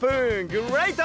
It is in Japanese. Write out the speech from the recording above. グレイト！